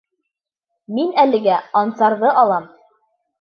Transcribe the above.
Мин әлегә Ансарҙы алам.